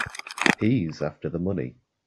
He's after the money.